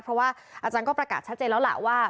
เพราะว่าอาจารย์ก็ประกาศชัดเจนแล้วล่ะว่า